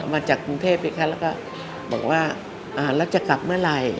มาจากกรุงเทพไหมคะแล้วก็บอกว่าอ่าแล้วจะกลับเมื่อไหร่